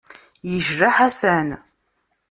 Yejla Ḥasan.